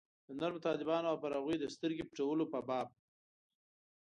د نرمو طالبانو او پر هغوی د سترګې پټولو په باب.